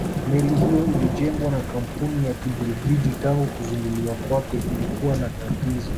Meli hiyo ilijengwa na kampuni ya Kibelgiji tangu kuzinduliwa kwake ilikuwa na tatizo